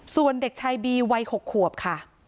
ส่วนเด็กชายบีวัย๖ขวบค่ะ